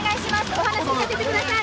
お話聞かせてください！